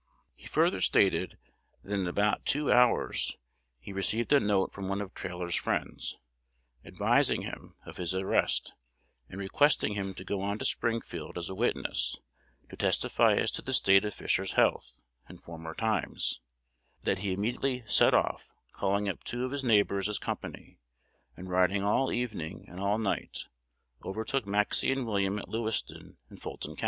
He further stated, that in about two hours he received a note from one of Trail or's friends, advising him of his arrest, and requesting him to go on to Springfield as a witness, to testify as to the state of Fisher's health in former times; that he immediately set off, calling up two of his neighbors as company, and, riding all evening and all night, overtook Maxcy and William at Lewiston in Fulton.